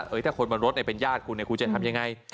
ถ้าคนบนรถเป็นญาติคุณเนี่ยคุณจะทำยังไง